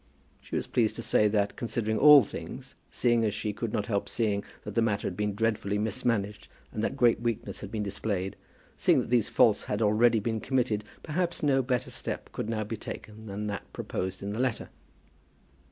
She was pleased to say that, considering all things; seeing, as she could not help seeing, that the matter had been dreadfully mismanaged, and that great weakness had been displayed; seeing that these faults had already been committed, perhaps no better step could now be taken than that proposed in the letter.